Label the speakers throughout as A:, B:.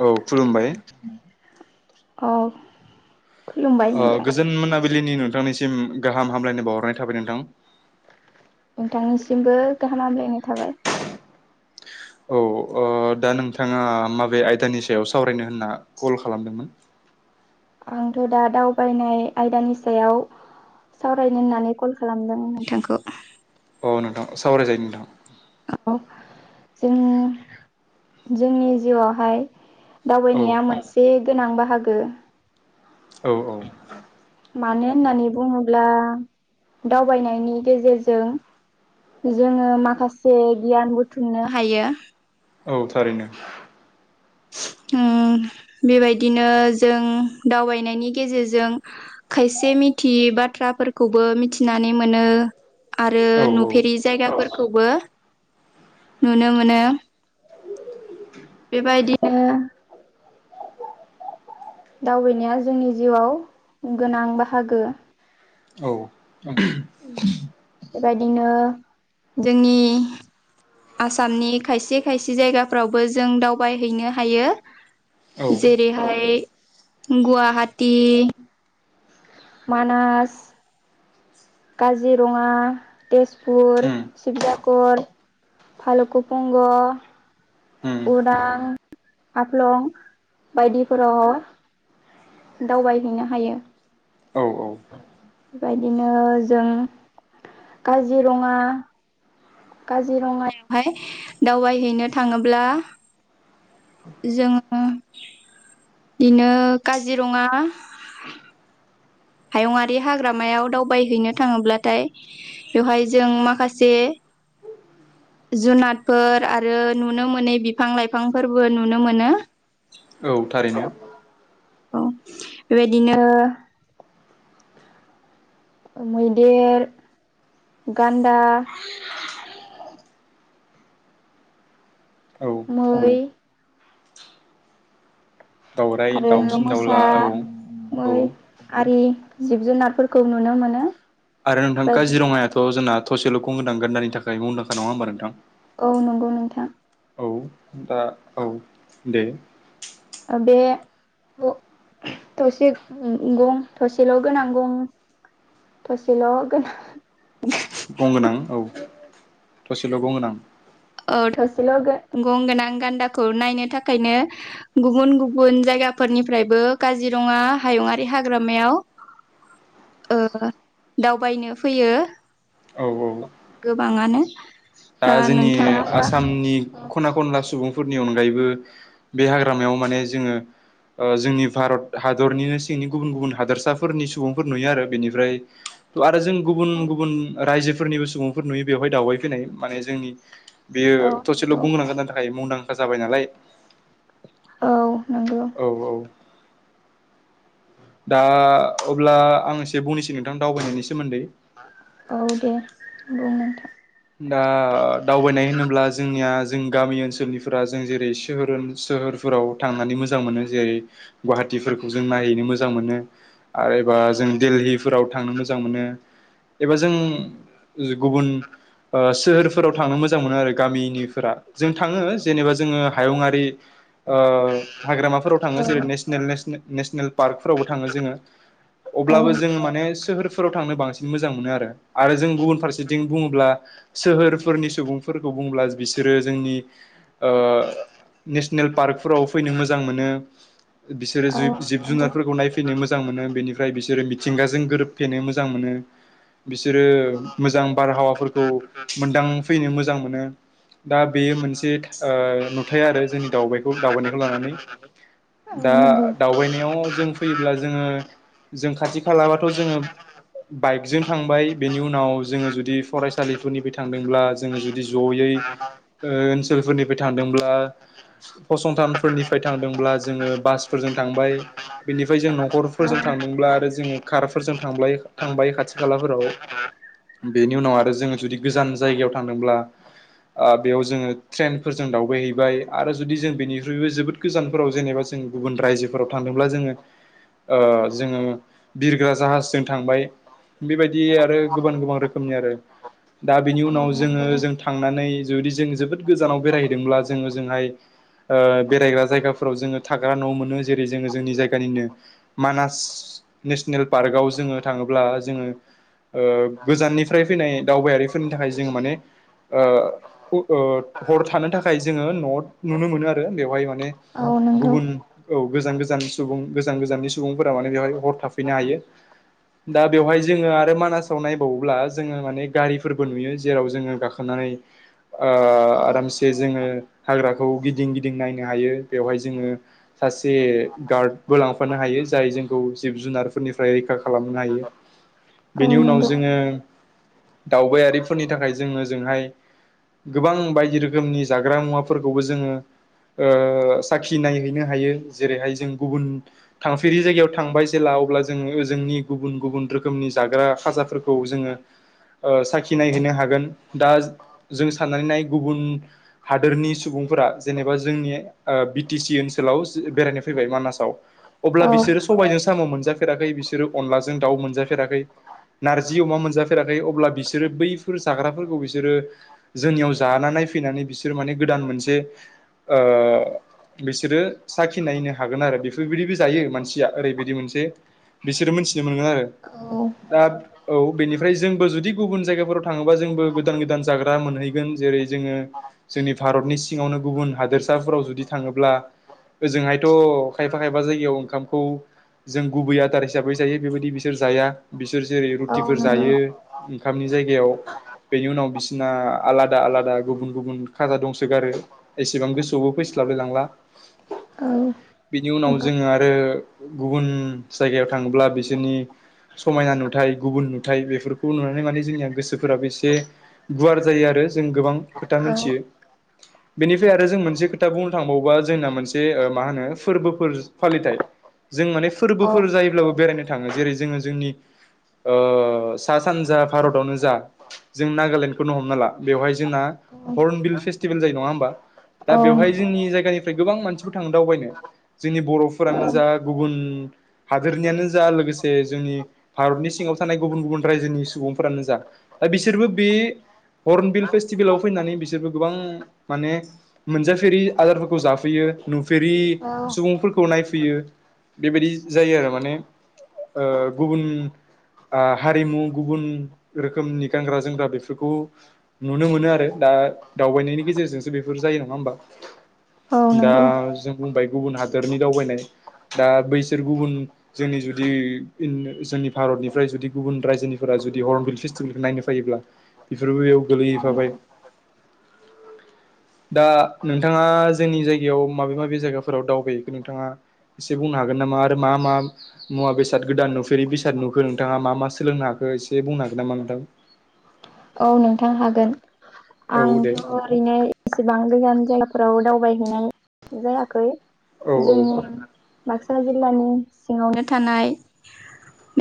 A: औ खुलुमबाय
B: औ
A: ओ गोजोन मोनाबिलिनि नोंथांनिसिम गाहाम हामलायनो बावहरनाय थाबाय नोंथां
B: नोंथांनिसिमबो गाहाम हामलायनाय थाबाय
A: औ ओ दा नोंथाङा माबे आयदानि सायाव सावरायनो होनना कल खालामदोंमोन
B: आंथ' दा दावबायनाय आयदानि सायाव सावरायनो होननानै कल खालामदों नोंथांखौ
A: औ नोंथां सावराय जायो नोंथां
B: औ जों जोंनि जिउआवहाय दावबायनाया
A: औ
B: मोनसे गोनां बाहागो
A: औ औ
B: माने होननानै बुङोब्ला दावबायनायनि गेजेरजों जोङो माखासे गियान बुथुमनो हायो
A: औ थारैनो
B: [unintelligible] उम बेबायदिनो जों दावबायनायनि गेजेरजों खायसे मिथियि बाथ्राफोरखौबो मिथिनानै मोनो आरो
A: औ
B: नुफेरि जायगाफोरखौबो नुनो मोनो बेबायदिनो दावबायनाया जोंनि जिउआव गोनां बाहागो
A: औ
B: बेबायदिनो जोंनि आसामनि खायसे खायसे जायगाफ्रावबो जों दावबायहैनो हायो
A: औ
B: जेरैहाय गुवाहाटी मानास काजिरङा तेजपुर
A: उम
B: शिबसागर फालुकुपंग
A: उम
B: उदां हाफ्लं बायदिफोराव दावबायहैनो हायो
A: औ औ
B: बेबायदिनो जों काजिरङा काजिरङायावहाय दावबायहैनो थाङोब्ला जोङो बिदिनो काजिरङा हायुंआरि हाग्रामायाव दावबायहैनो थाङोब्लाथाय बेवहाय जों माखासे [unintelligible] जुनादफोर आरो नुनो मोनै बिफां लाइफांफोरबो नुनो मोनो
A: औ थारैनो
B: औ बेबायदिनो मैदेर गान्दा
A: औ
B: मै
A: दाउराइ
B: आरो
A: दाउसिन दाउला
B: मोसा
A: औ औ
B: आरि जिब जुनारफोरखौ नुनो मोनो
A: आरो नोंथां
B: बेबायदिनो
A: काजिरङायाथ' जोंना थसेल' गं गोनां गान्दानि थाखाय मुंदांखा नङा होनबा नोंथां
B: औ नंगौ नोंथां
A: औ दा औ दे
B: बे थ थसे ओ गं थसेल' गोनां गं [unintelligible]
A: गंगोनां औ थसेल' गंगोनां
B: औ थसेल गो गं गोनां गान्दाखौ नायनो थाखायनो गुबुन गुबुन जाय गाफोरनिफ्रायबो काजिरंङा हायुंङारि हाग्रामायाव ओ दावबायनो फैयो
A: औ औ
B: गोबांङानो
A: दा जोंनि आसामनि खना खनला सुबुं फुरनि अनगायैबो बे हाग्रामायाव माने जोंङो ओ जोंनि भारत हादरनिनो सिंनि गुबुन गुबुन हादरसाफोरनि सुबुंफोर नुयो आरो बेनिफ्राय ओ जों गुबुन गुबुन रायजोफोरनिबो सुबुंफोर नुयो बेयाहाय दावबायफैनाय माने जोंनि बियो
B: औ
A: थसेल गं
B: नंगौ
A: गोनां गान्दानि थाखाय मुंदांखा जाबाय नालाय
B: औ नोंगौ
A: औ औ दा अब्ला आं एसे बुंनोसै नोंथां दावबायनायनि सोमोन्दै।
B: औ दे बुं नोंथां।
A: दा दावबायनाय होनोब्ला जोंनियाज। जों गामि ओनसोलनिफोरा जों जेरै सोहोरहोन सोहोरफोराव थांनानै मोजां मोनो जेरै गुवाहाट। खुथिफोरखौ जों नायहैनो मोजां मोनो। आरो एबा जों
B: नोंथां
A: दिल्लीफोराव थांनो मोजां मोनो एबा जों। गुबुन सोहोरफोराव थांनो मोजां मोनो आरो गामिनिफोरा जों थांङो। जेनेबा जोंङो हायुंङआारि ओ हाग्रामाफोराव थांङो
B: औ
A: जेरै नेसनेल नेसनेल। नेसनेल पार्कफोरावबो थांङो जोंङो
B: औ
A: अब्लाबो जों माने सोहोर। फोराव थांनो बांसिन मोजां मोनो आरो जों गुबुन फारसेथिं बुंङोब्ला। सोहोरफोरनि सुबुंफोरखौ बुंब्ला बिसोरो जोंनि ओ। नेसनेल पार्कफोराव फैनो मोजां मोनो। बिसोरो
B: औ
A: जि जिब
B: नंगौ औ
A: जुनारफोरखौ नायफैनो मोजां मोनो बेनिफ्राय बिसोरो मिथिंगाजों गोरोबफैनो मोजां मोनो। ओ बिसोरो मोजां बारहावाफोरखौ मोनदांफैनो मोजां मोनो। दा बेयो मोनसे थास नुथाय आरो जोंनि दावबायखौ दावबायनायखौ लानानै। दा
B: नंगौ
A: दावबायनायाव जों फैयोब्ला जोंङो। जों खाथि खालानाथ जोंङो। बाइकजों थांबाय बेनि उनाव जोंङो जुदि फरायसालि। फोरनिफाय थांदोंब्ला जोंङो जुदि जयै ओनसोलफोरनिफाय थांदोंब्ला। फसंथानफोरनिफाय थांदोंब्ला जोंङो बासफोरजों थांबाय बेनिफाय जों न'खरफोरजों।
B: औ
A: थांदोंब्ला आरो जोंङो कारफोरजों थांब्लाय थांबाय खाथि खालाफोराव। बेनि उनाव आरो जोंङो जुदि गोजान जायगायाव थांदोंब्ला। आ बेयाव जोंङो ट्रेनफोरजों दावबायहैबाय आरो जुदि जों बेनिख्रुइबो जोबोद गोजानफोराव जेनेबा। जों गुबुन रायजोफोराव थांदोंब्ला जोंङो। जोंङो बिरग्रा जाहास जों थांबाय। बेबायदि आरो गोबां गोबां रोखोमनि आरो। दा बिनि उनाव जोंङो
B: नंगौ
A: जों थांनानै जुदि जों जोबोद गोजानाव बेरायहैदोंब्ला जोंङो ओजोंहाय। ओ बेरायग्रा जायगाफोराव जोंङो थाग्रा न' मोनो जेरै जोंङो जोंनि जायगानिनो मानास। नेसनेल पार्कआव जोंङो थांङोब्ला जोंङो। ओ गोजाननिफ्राय फैनाय दावबायारिफोरनि थाखाय जोंङो माने। ओ हर थानो थाखाय जोंङो न' नुनो मोनो आरो बेवहाय माने।
B: औ नंगौ
A: गुबुन औ। गोजान गोजाननि सुबुं गोजान गोजाननि सुबुंफोरा माने बेवहाय हर थाफैनो हायो। दा बेवहाय जोंङो आरो मानासाव नायबावोब्ला जोंङो माने गारि। फोरबो नुयो जेराव जोंङो गाखोनानै ओ आरामसे जोंङो हाग्राखौ गिदिं। गिदिं गिदिं नायनो हायो बेवहाय जोंङो सासे गार्डबो लांफानो हायो जाय जोंखौ। जिब जुनारफोरनिफ्राय रैखा खालामनो हायो।
B: [inaudible]
A: बेनि उनाव
B: नंगौ
A: जोंङो। दावबायारिफोरनि थाखाय जो ओजोंहाय। गोबां बायदि रोखोमनि जाग्रा मुवाफोरखौबो जोङो ओ साखिनाय हैनो हायो। जेरैहाय जों गुबुन थांफेरि जायगायाव थांबाय जेला। अब्ला जोङो जोंनि गुबुन गुबुन रोखोमनि जाग्रा खाजाफोरखौ जोङो साखिनायहैनो हागोन दा जों साननानै नाय गुबुन हादोरनि सुबुंफोरा जेनेबा जोंनि बि टि सि ओनसोलाव बेरायनो फैबाय मानासाव अब्ला
B: औ
A: बिसोरो सबाइजों साम' मोनजाफेराखै बिसोरो अनलाजों-दाव मोनजाफेराखै नारजि-अमा मोनजाफेराखै अब्ला बिसोरो बैफोर जाग्राफोरखौ बिसोरो जोंनियाव जाना नायफैनानै बिसोरो माने गोदान मोनसे ओ। बिसोरो साखिनायनो हागोन आरो बेफोरबायदिबो जायो मानसिया ओरैबायदि मोनसे बिसोरो मोनथिनो मोनगोन आरो।
B: औ
A: दा औ बेनिफ्राय जोंबो जुदि गुबुन जायगाफोराव थाङोबा जोंबो गोदान गोदान जाग्रा मोनहैगोन जेरै जोङो जोंनि भारतनि सिङावनो गुबुन हादोरसाफोराव जुदि थाङोब्ला। ओजोंहायथ' खायफा खायफा जायगायाव ओंखामखौ जों गुबै आदार हिसाबै जायो बेबायदि बिसोर जाया बिसोर जेरै
B: औ
A: रुटिफोर
B: नंगौ
A: जायो। ओंखामनि जायगायाव बेनि उनाव बिसिना आलादा आलादा गुबुन गुबुन खाजा दंसोगारो एसेबां गोसोआवबो फैस्लाबलाय लांला।
B: औ।
A: बिनि उनाव
B: नंगौ
A: जोङो आरो गुबुन जायगायाव थाङोब्ला बिसोरनि समायना नुथाय गुबुन नुथाय बेफोर खौ नुनानै माने जोंनिया गोसोफोराबो एसे गुवार जायो आरो जों गोबां खोथा मिथियो।
B: औ
A: बेनिफ्राय आरो जों मोनसे खोथा बुंनो थांबावोबा जोंना मोनसे ओ माहोनो फोरबोफोर फालिथाय जों माने
B: औ
A: फोरबोफोर जायोब्लाबो बेरायनो थाङो जेरै जोङो जोंनि ओ सा-सानजा भारतावनो जा जों नागालेण्डखौनो हमना ला बेवहाय जोंना हर्नबिल फेस्टिभेल जायो नङा होमबा? दा
B: औ
A: बेवहाय
B: नंगौ
A: जोंनि जायगानिफ्राय गोबां मानसिफोर थाङो दावबायनो। जोंनि बर'फोरानो जा गुबुन हादोरनियानो जा लोगोसे जोंनि भारतनि सिं- आव थानाय गुबुन गुबुन रायजोनि सुबुंफोरानो जा दा बिसोरबो बे हर्नबिल फेस्टिभेलाव फैनानै बिसोरबो गोबां माने मोनजाफेरि आदारफोरखौ जाफैयो। नुफेरि
B: औ
A: सुबुंफोरखौ नायफैयो बेबायदि जायोआरो माने ओ गुबुन आ हारिमु गुबुन रोखोमनि गानग्रा जोमग्रा बेफोरखौ नुनो मोनो आरो दा। दावबायनायनि गेजेरजोंसो बेफोर जायो नङा होमबा।
B: औ
A: दा
B: नंगौ
A: जों बुंबाय गुबुन हादरनि दावबायनाय दा बैसोर गुबुन जोंनि जुदि जोंनि भारतनिफ्राय जुदि। गुबुन रायजोनिफोरा जुदि हर्नबिल फेस्टिभेलखौ नायनो फायोब्ला बेफोरबो बेयाव गोलैहैफाबाय।
B: [inaudible]
A: दा नोंथाङा जोंनि जायगायाव माबे माबे जायगाफोराव दावबायहैखो नोंथाङा? एसे बुंनो हागोन नामा आरो मा मा मुवा बेसाद गोदान नुफेरै बेसाद नुखो नोंथाङा मा मा?? सोलोंनो हाखो एसे बुंनो हागोन नामा नोंथां?
B: औ नोंथां हागोन।
A: औ
B: आंथ'
A: दे
B: ओरैनो एसेबां गोजान जायगाफोराव दाव- बाय हैनाय जायाखै
A: औ औ
B: जोंनि बाक्सा जिल्लानि सिङावनो थानाय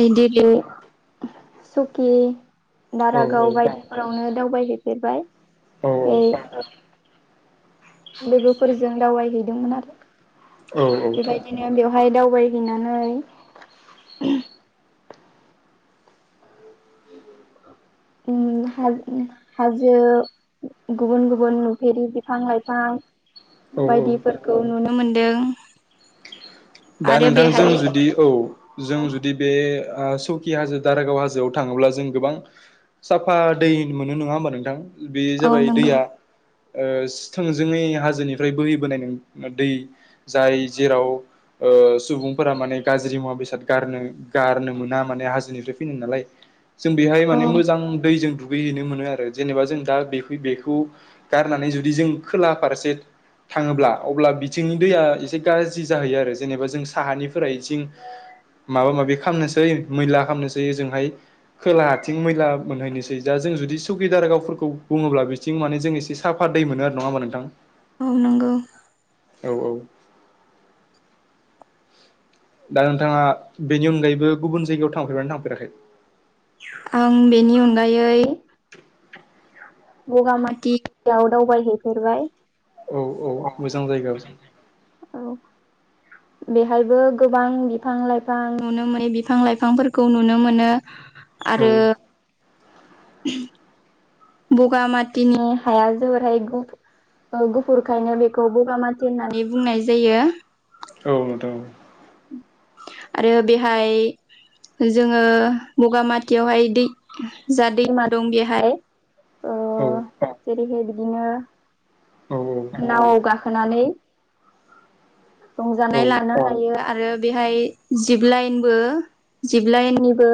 B: मैदेलि, सखि,।
A: औ
B: दारागाव बायदि फोरावनो दावबायहै फेरबाय ओइ लोगो फोरजों दावबाय हैदोंमोन आरो
A: औ
B: बेबायदिनो बेयाव हाय दावबायहै नानै उम हा हाजो गुबुन गुबुन नुफेरि बिफां-लाइफां
A: औ औ
B: बायदि फोरखौ नुनो मोनदों।
A: दा
B: आरो बेहाय
A: नोंथांजों जुदि औ जों
B: औ
A: जुदि बे ओ सौकि हाजो दारागाव हाजोआव थाङोब्ला जों गोबां साफा दै मोनो नोङा होमबा नोंथां? बे
B: औ
A: जाबाय
B: नंगौ
A: दैया ओ सि थोंजोङै हाजो निफ्राय बोहैबोनाय नों ओ दै जाय जेराव ओ सुबुंफोरा माने गाज्रि मुवा बेसाद गारनो गारनो मोना माने हाजोनिफ्राय फैनो नालाय। जों बेहाय
B: औ
A: माने मोजां दैजों दु गै हैनो मोनो आरो जेनेबा जों दा बे बेखौ गारनानै जुदि जों खोला फारसे थाङोब्ला अब्ला बिथिंनि दैया एसे गाज्रि जाहैयो आरो। जेनेबा जों साहा निफ्राय जिं माबा माबि खामनोसै मैला खामनोसै ओजों हाय खोलाहा थिं मैला मोनहैनो सै दा जों जुदि सुखि दारागाव फोरखौ बुङोब्ला बिथिं माने जों एसे साफा दै मोनो नोङा होमबा नोंथां।
B: औ नोंगौ।
A: औ औ। दा नोंथाङा बेनि अनगायैबो गुबुन जायगायाव थांफेर बायना थांफेराखै?
B: आं बेनि अनगायै बगामाथि याव दावबाय हैफेरबाय।
A: औ औ मोजां जायगा।
B: औ बेहायबो गोबां बिफां लाइफां नुनो मोनि बिफां लाइफां फोरखौ नुनो मोनो।
A: औ
B: आरो बगामाथिनि हाया जोबोरहाय गु गुफुर खायनो बेखौ बबा माथि होननानै बुंनाय जायो।
A: औ नोंथां औ।
B: आरो बेहाय जोङो बगामाथियाव हाय दै जा दैमा दं बेहाय ओ
A: औ
B: जेरैहाय बिदिनो
A: औ
B: नाव गा खोनानै
A: औ
B: रंजानाय लानो हायो आरो बेहाय जिब लाइनबो जिब लाइननिबो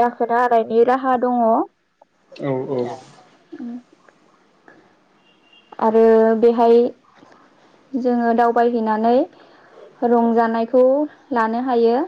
B: गाखोनो हानायनि राहा दङ।
A: औ औ।
B: आरो बेहाय जोङो दावबाय हैनानै रंजानायखौ लानो हायो।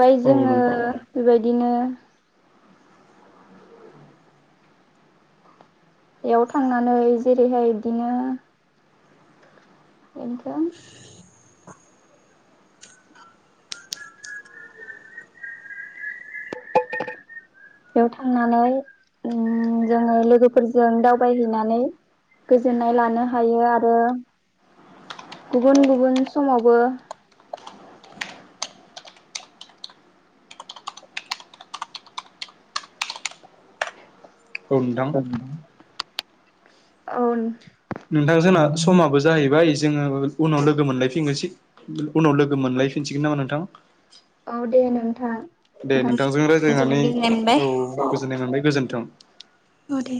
B: फाय
A: औ
B: जोङो
A: नंगौ
B: बेबायदिनो बेयाव थांनानै जेरैहाय बिदिनो [unintelligible] [inaudible] बेयाव थांनानै उम जोङो लोगो फोरजों दावबाय हैनानै गोजोननाय लानो हायो आरो गुबुन गुबुन समावबो
A: औ नोंथां
B: ओन [unintelligible]
A: नोंथां जोंना समाबो जाहैबाय जोङो उनाव लोगो मोनलाय फिननोसै उनाव लोगो मोनलाय फिनसिगोन नामा नोंथां?
B: औ दे नोंथां।
A: दे
B: नोंथां
A: नोंथांजों रायज्लाय
B: जोबोद
A: नानै
B: गोजोननाय मोनबाय
A: औ गोजोननाय मोनबाय गोजोन्थों।
B: ओ दे।